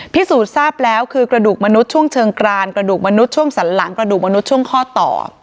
พิสูจน์ทราบแล้วคือกระดูกมนุษย์ช่วงเชิงกรานกระดูกมนุษย์ช่วงสันหลังกระดูกมนุษย์ช่วงข้อต่อ